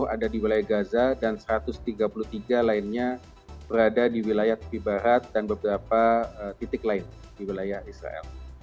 ada di wilayah gaza dan satu ratus tiga puluh tiga lainnya berada di wilayah tepi barat dan beberapa titik lain di wilayah israel